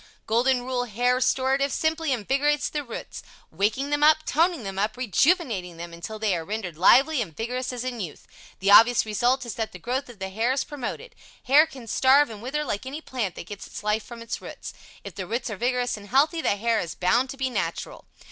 Golden Rule Hair Restorative simply invigorates the roots waking them up toning them up rejuvenating them until they are rendered lively and vigorous as in youth, The obvious result is that the growth of the hair is promoted. Hair can starve and wither like any plant that gets its life from its roots. If the roots are vigorous and healthy, the hair is bound to be natural.